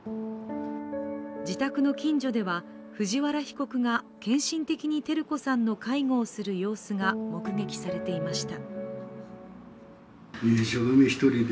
自宅の近所では、藤原被告が献身的に照子さんの介護をする様子が目撃されていました。